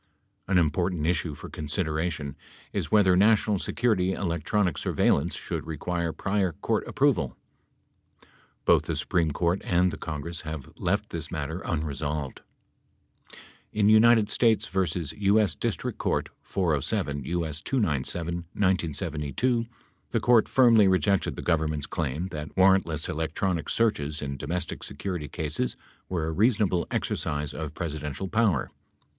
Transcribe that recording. An important issue for consideration is whether national security electronic surveillance should require prior court approval. Both the Supreme Court and the Congress have left this matter unresolved. In United States v. U.S. Distinct Court, 407 U.S. 297 (1972), the Court firmly rejected the Government's claim that warrantless electronic searches in domestic security cases were a reasonable exercise of Pres idential power.